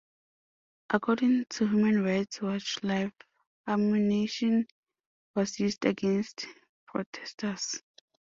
According to Human Rights Watch live ammunition was used against protesters.